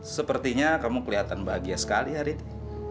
sepertinya kamu kelihatan bahagia sekali hari ini